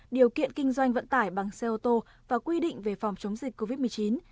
điều kiện kinh doanh vận tải bằng xe ô tô và quy định về phòng chống dịch covid một mươi chín